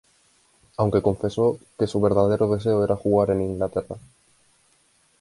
Aunque confesó que su verdadero deseo era jugar en Inglaterra.